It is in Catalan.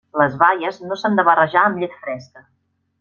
Les baies no s'han de barrejar amb llet fresca.